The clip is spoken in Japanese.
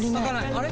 あれ？